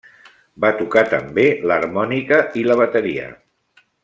Va tocar també l'harmònica i la bateria.